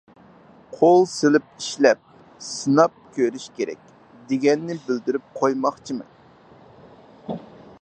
قول سېلىپ ئىشلەپ، سىناپ كۆرۈش كېرەك، دېگەننى بىلدۈرۈپ قويماقچىمەن.